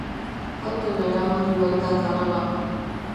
Autora eraman du aitak alaba.